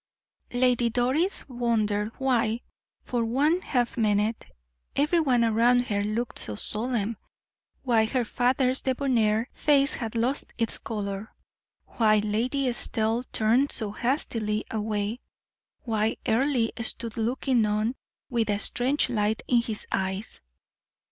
Lady Doris wondered why, for one half minute, every one around her looked so solemn, why her father's debonair face had lost its color, why Lady Estelle turned so hastily away, why Earle stood looking on with a strange light in his eyes.